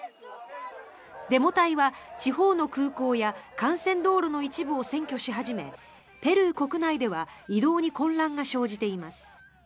デモ隊は地方の空港や幹線道路の一部を占拠し始めペルー国内では移動に混乱が生じています。